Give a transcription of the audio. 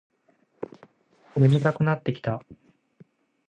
眠たくなってきた